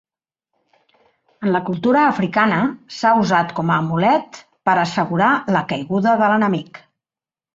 En la cultura africana, s'ha usat com a amulet per assegurar la caiguda de l'enemic.